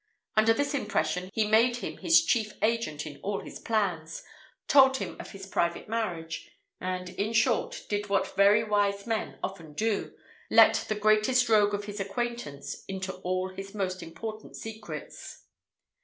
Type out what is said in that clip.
Under this impression, he made him his chief agent in all his plans, told him of his private marriage, and, in short, did what very wise men often do, let the greatest rogue of his acquaintance into all his most important secrets.